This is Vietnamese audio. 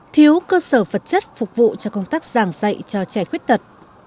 thiếu cơ sở vật chất phục vụ cho công tác giảng dạy cho trẻ khuyết tật